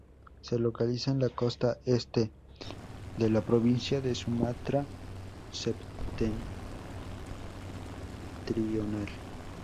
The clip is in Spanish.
Se localiza en la costa este de la provincia de Sumatra Septentrional.